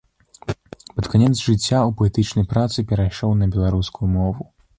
Пад канец жыцця ў паэтычнай працы перайшоў на беларускую мову.